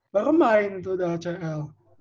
baru main itu udah acl